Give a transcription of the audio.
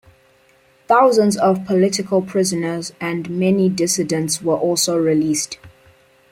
Thousands of political prisoners and many dissidents were also released.